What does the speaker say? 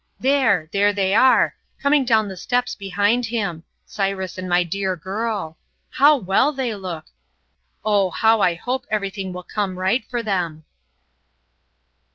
There there they are, coming down the steps behind him, Cyrus and my dear girl how well they look! Oh, how I hope everything will come right for them!